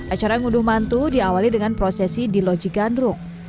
acara ngunduh mantu diawali dengan prosesi di lodji gandruk